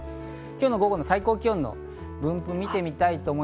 今日の午後の最高気温の分布です。